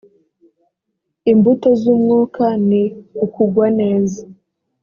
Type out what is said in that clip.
imbuto z umwuka ni ukugwa neza